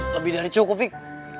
lebih dari cukup fik